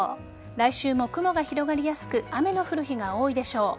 来週も雲が広がりやすく雨の降る日が多いでしょう。